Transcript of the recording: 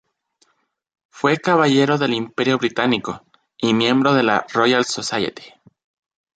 Fue caballero del Imperio Británico y miembro de la Royal Society.